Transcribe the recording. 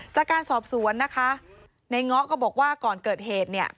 จากการสอบสวนนะคะในเงาะก็บอกว่าก่อนเกิดเหตุเนี่ย